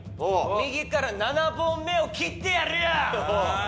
右から７本目を切ってやるよ！